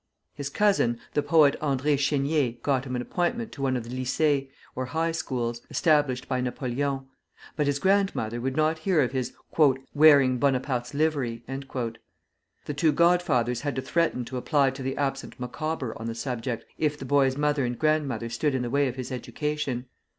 His cousin, the poet André Chénier, got him an appointment to one of the lycées, or high schools, established by Napoleon; but his grandmother would not hear of his "wearing Bonaparte's livery." The two god fathers had to threaten to apply to the absent Micawber on the subject, if the boy's mother and grandmother stood in the way of his education.